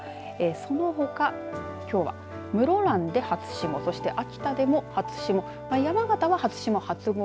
そのほか、きょうは室蘭で初霜そして秋田でも初霜山形は初霜、初氷